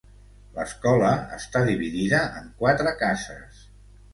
L'escola està dividida en quatre cases.